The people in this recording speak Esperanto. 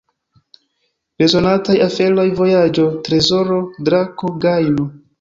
Bezonataj aferoj: vojaĝo, trezoro, drako, gajno.